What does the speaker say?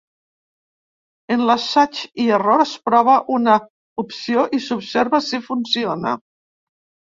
En l'assaig i error es prova una opció i s'observa si funciona.